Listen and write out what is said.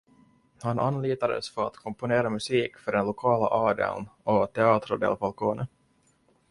Han anlitades för att komponera musik för den lokala adeln och Teatro del Falcone.